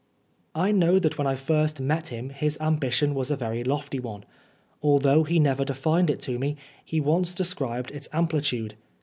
" I know that when I first met him his ambition was a very lofty one. Although he never defined it to me, he once described its amplitude.